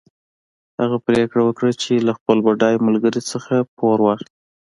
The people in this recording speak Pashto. هغه پرېکړه وکړه چې له خپل بډای ملګري نه پور واخلي.